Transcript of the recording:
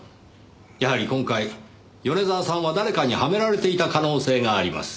やはり今回米沢さんは誰かにはめられていた可能性があります。